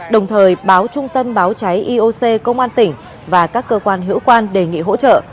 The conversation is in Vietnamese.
đồng thời báo trung tâm báo cháy ioc công an tỉnh và các cơ quan hữu quan đề nghị hỗ trợ